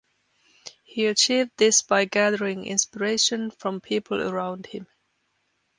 He achieved this by gathering inspiration from people around him.